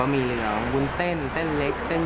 มีเส้นหลายชนิดเลย